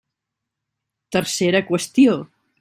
Tercera qüestió.